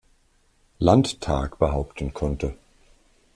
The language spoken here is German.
Landtag behaupten konnte.